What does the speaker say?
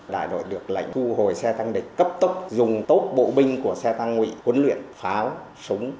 đại đội được lệnh thu hồi xe tăng địch cấp tốc dùng tốt bộ binh của xe tăng nguy huấn luyện pháo súng